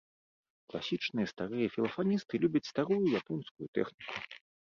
Класічныя, старыя філафаністы любяць старую японскую тэхніку.